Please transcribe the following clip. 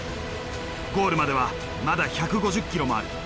ゴールまではまだ１５０ｋｍもある。